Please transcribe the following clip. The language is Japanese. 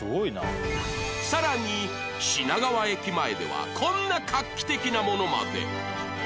さらに品川駅前ではこんな画期的なものまで